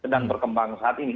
sedang berkembang saat ini